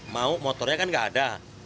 mau motornya kan nggak ada